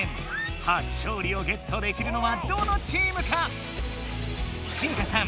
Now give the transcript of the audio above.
はつ勝りをゲットできるのはどのチームか⁉シイカさん